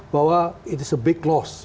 bahwa ini adalah kekurangan besar